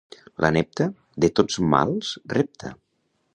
La nepta, de tots mals repta.